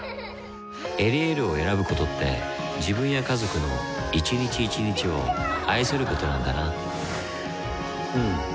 「エリエール」を選ぶことって自分や家族の一日一日を愛することなんだなうん。